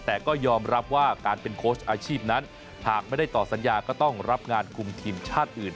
แต่ก็ยอมรับว่าการเป็นโค้ชอาชีพนั้นหากไม่ได้ต่อสัญญาก็ต้องรับงานคุมทีมชาติอื่น